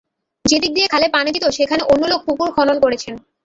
যেদিক দিয়ে খালে পানি যেত, সেখানে অন্য লোক পুকুর খনন করেছেন।